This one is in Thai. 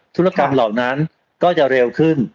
ธุรกรรมเหล่านั้นก็จะเร็วขึ้น